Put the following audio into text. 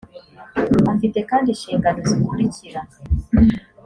afite kandi inshingano zikurikira